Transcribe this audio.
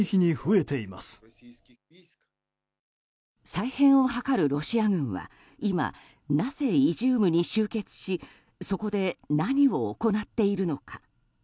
再編を図るロシア軍は今なぜイジュームに集結しそこで何を行っているのか。